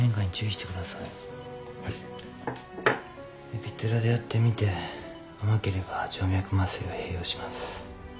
エピドラでやってみて甘ければ静脈麻酔を併用します。